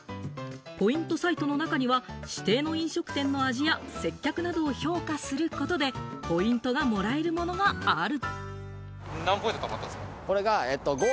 ポイントサイトの中には指定の飲食店の味や接客などを評価することでポイントがもらえるものがある。